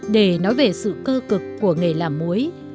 để nói về sự cơ cực của nghề làm muối